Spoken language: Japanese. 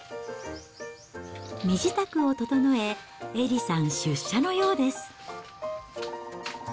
身支度を整え、エリさん、出社のようです。